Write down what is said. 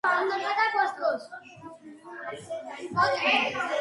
სწავლის პერიოდში გივი გაგუა დაქორწინდა და შეეძინა ერთი ასული.